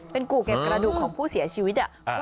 เป็นกู่เก็บกระดูกของผู้เสียชีวิต